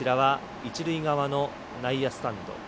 一塁側の内野スタンド